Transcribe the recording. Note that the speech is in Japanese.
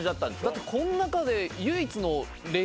だってこの中で。